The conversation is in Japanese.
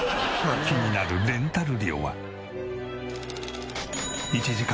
気になるレンタル料は。